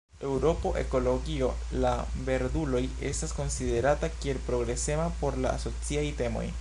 Eŭropo Ekologio La Verduloj estas konsiderata kiel progresema por la sociaj temoj.